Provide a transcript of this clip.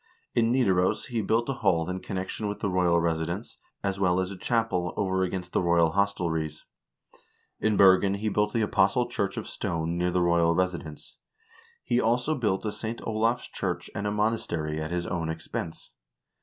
In Nidaros he built a hall in connection with the royal residence, as well as a chapel over against the royal hostelries. In Bergen he built the Apostle church of stone near the royal residence. He also built a St. Olav's church and a monastery at his own expense.